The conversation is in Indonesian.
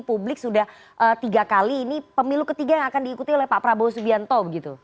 publik sudah tiga kali ini pemilu ketiga yang akan diikuti oleh pak prabowo subianto begitu